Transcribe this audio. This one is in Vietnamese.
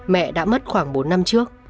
mẹ đã mất khoảng bốn năm trước